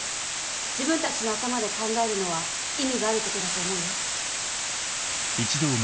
自分たちの頭で考えるのは意味があることだと思うよ。